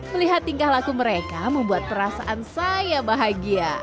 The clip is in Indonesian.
melihat tingkah laku mereka membuat perasaan saya bahagia